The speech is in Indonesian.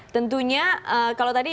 tentunya kalau tadi